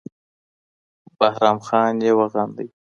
بهرام خان یې وغنده